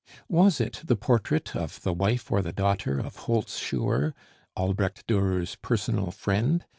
Was it the portrait of the wife or the daughter of Holzschuer, Albrecht Durer's personal friend?